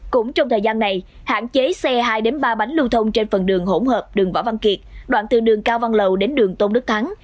cũng trong thời gian này hạn chế xe hai ba bánh lưu thông trên phần đường hỗn hợp đường võ văn kiệt đoạn từ đường cao văn lầu đến đường tôn đức thắng